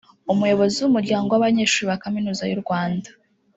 Umuyobozi w’Umuryango w’abanyeshuri ba Kaminuza y’u Rwanda